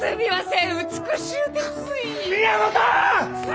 宮本！